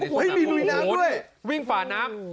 เฮ้ยมีลุยน้ำด้วยวิ่งฝ่าน้ำ